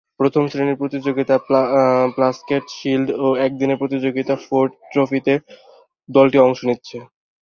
প্রথম-শ্রেণীর প্রতিযোগিতা Plunkett shield ও একদিনের প্রতিযোগিতা ফোর্ড ট্রফিতে দলটি অংশ নিচ্ছে।